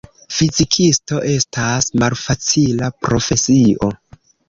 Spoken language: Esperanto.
Fizikisto estas malfacila profesio.